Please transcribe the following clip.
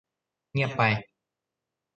เงียบไป